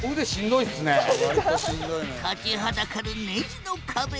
立ちはだかるネジの壁。